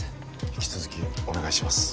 引き続きお願いします